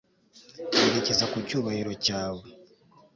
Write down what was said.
Yerekeza ku cyubahiro cyawe